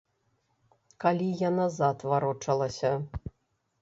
Калі я назад варочалася.